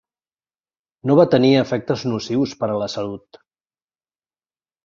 No va tenir efectes nocius per a la salut.